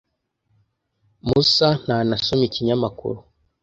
Musa ntanasoma ikinyamakuru.